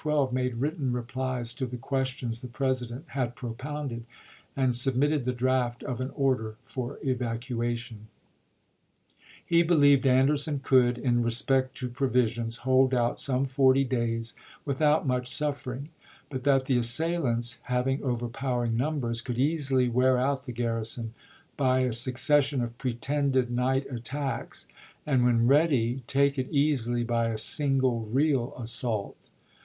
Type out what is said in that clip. and 12, made written replies to the questions the President had propounded, and submitted the draft of an order for evacuation. He believed Anderson could, in respect to pro visions, hold out some forty days without much suffering, but that the assailants, having overpow ering numbers, could easily wear out the garrison by a succession of pretended night attacks, and, when ready, take it easily by a single real assault.